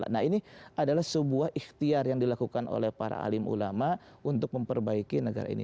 nah ini adalah sebuah ikhtiar yang dilakukan oleh para alim ulama untuk memperbaiki negara ini